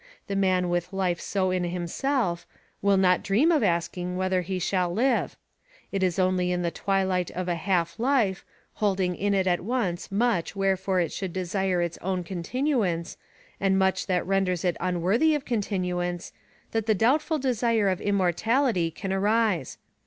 The man with life so in himself, will not dream of asking whether he shall live. It is only in the twilight of a half life, holding in it at once much wherefore it should desire its own continuance, and much that renders it unworthy of continuance, that the doubtful desire of immortality can arise.